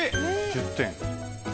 １０点。